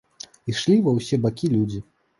Ішлі ва ўсе бакі людзі.